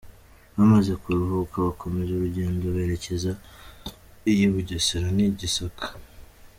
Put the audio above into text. Bamaze kuruhuka bakomeza urugendo berekeza iy'i Bugesera n’i Gisaka.